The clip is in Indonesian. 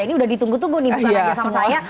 ini udah ditunggu tunggu nih bukan hanya sama saya